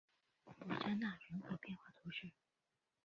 伯扎讷人口变化图示